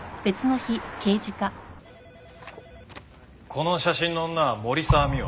この写真の女は森沢未央。